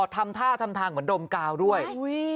ทำท่าทำทางเหมือนดมกาวด้วย